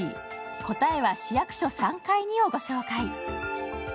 「答えは市役所３階に」をご紹介。